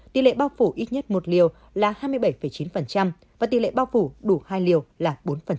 tỷ lệ bao phủ ít nhất một liều là hai mươi bảy chín và tỷ lệ bao phủ đủ hai liều là bốn